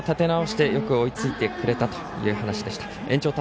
ただ、そのあと立て直してよく追いついてくれたという話でした。